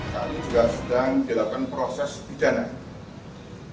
kami juga sedang dilakukan proses pidana